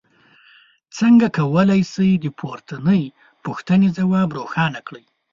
څنګه کولی شئ د پورتنۍ پوښتنې ځواب روښانه کړئ.